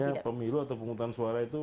maksudnya pemilu atau pengutusan suara itu